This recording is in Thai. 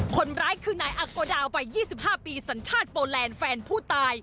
คนร้ายคือนายอักโกดาวัย๒๕ปีสัญชาติโปแลนด์แฟนผู้ตาย